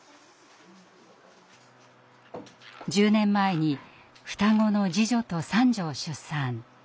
１０年前に双子の次女と三女を出産。